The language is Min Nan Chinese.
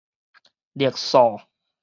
曆數